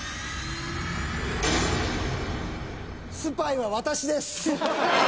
スパイは私です。